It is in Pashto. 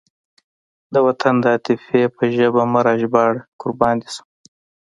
د وطن د عاطفې په ژبه مه راژباړه قربان دې شم.